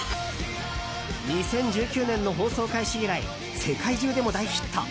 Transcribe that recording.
２０１９年の放送開始以来世界中でも大ヒット。